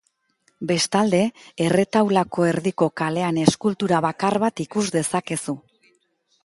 Bestalde, erretaulako erdiko kalean eskultura bakar bat ikus dezakegu.